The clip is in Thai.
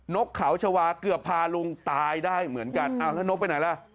กเขาชาวาเกือบพาลุงตายได้เหมือนกันอ้าวแล้วนกไปไหนล่ะ